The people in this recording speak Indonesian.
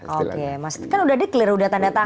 oke kan sudah deklarasi sudah tanda tangan